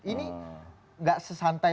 ini gak sesantai